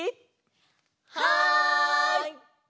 はい！